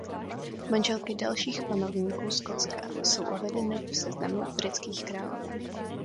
Manželky dalších panovníků Skotska jsou uvedeny v seznamu britských královen.